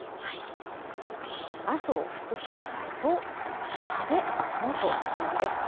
麻生副総裁と、安倍元総理です。